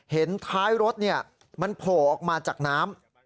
เห็นท้ายรถมันโผล่ออกมาจากน้ำ